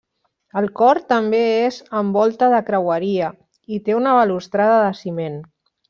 El cor també és amb volta de creueria i té una balustrada de ciment.